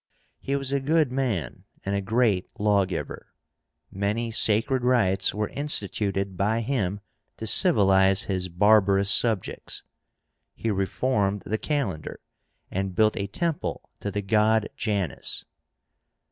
He was a good man, and a great lawgiver. Many sacred rites were instituted by him to civilize his barbarous subjects. He reformed the calendar, and built a temple to the god Janus.